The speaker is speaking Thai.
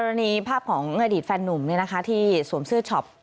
อันนี้ภาพของอดีตแฟนนุ่มที่สวมเสื้อช็อป